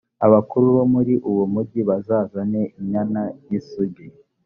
abakuru bo muri uwo mugi bazazane inyana y’isugi